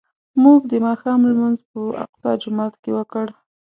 موږ د ماښام لمونځ په الاقصی جومات کې وکړ.